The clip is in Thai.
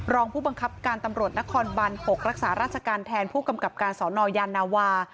รองผู้บังคับการตำรวจนครบัน๖รักษาราชการแทนผู้กำกับการสนยานาวา